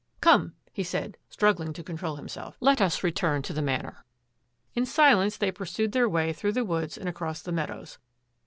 " Come !'* he said, struggling to control himself, " let us return to the Manor." In silence they pursued their way through the woods and across the meadows.